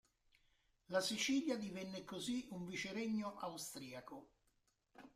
La Sicilia divenne così un viceregno austriaco.